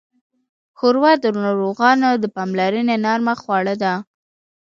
ښوروا د ناروغانو د پاملرنې نرمه خواړه ده.